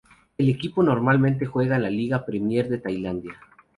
El equipo normalmente juega en la Liga Premier de Tailandia.